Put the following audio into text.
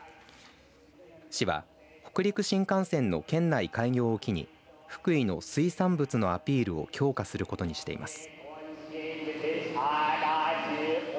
市は北陸新幹線の県内開業を機に福井の水産物のアピールを強化することにしています。